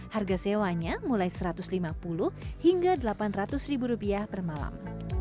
harga sewanya mulai satu ratus lima puluh hingga delapan ratus ribu rupiah per malam